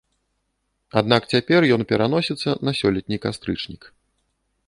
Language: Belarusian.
Аднак цяпер ён пераносіцца на сёлетні кастрычнік.